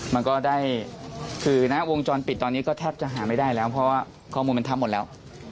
หรือว่าทำเต็มที่แล้ว